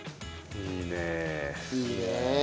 いいね。